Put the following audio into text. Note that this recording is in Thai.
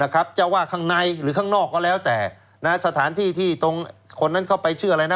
จะว่าข้างในหรือข้างนอกก็แล้วแต่สถานที่ที่ตรงคนนั้นเข้าไปชื่ออะไรนะ